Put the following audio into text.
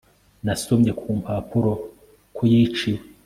Nasomye mu mpapuro ko yiciwe